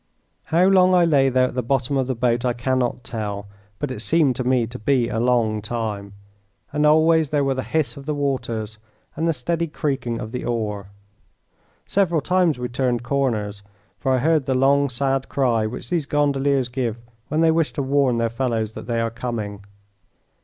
How long I lay there at the bottom of the boat I can not tell; but it seemed to me to be a long time, and always there were the hiss of the waters and the steady creaking of the oar. Several times we turned corners, for I heard the long, sad cry which these gondoliers give when they wish to warn their fellows that they are coming.